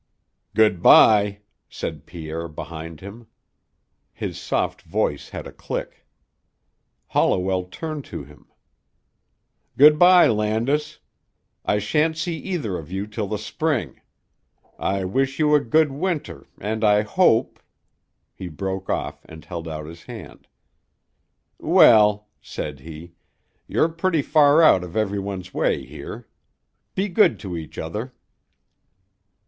"Good bye," said Pierre behind him. His soft voice had a click. Holliwell turned to him. "Good bye, Landis. I shan't see either of you till the spring. I wish you a good winter and I hope " He broke off and held out his hand. "Well," said he, "you're pretty far out of every one's way here. Be good to each other."